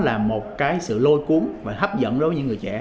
là một cái sự lôi cuốn và hấp dẫn đối với những người trẻ